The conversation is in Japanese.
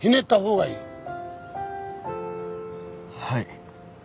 はい。